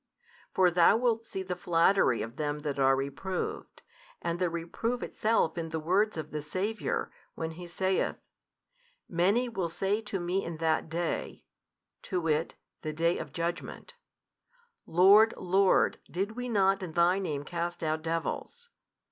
For thou wilt see the flattery of them that are reproved, and the reproof itself in the words of the Saviour, when He saith, Many will say to Me in that Day, to wit, the Day of Judgment, Lord, Lord, did we not in Thy Name cast out devils?